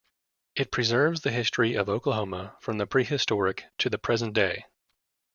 It preserves the history of Oklahoma from the prehistoric to the present day.